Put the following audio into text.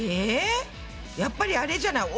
やっぱりあれじゃない？